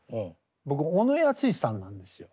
僕小野ヤスシさんなんですよ。